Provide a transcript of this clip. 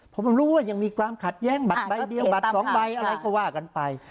ผมรู้ว่ายังมีความขัดแย้งบัตรใบเดียวบัตรสองใบอะไรก็ว่ากันไป